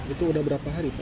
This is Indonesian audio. itu udah berapa hari pak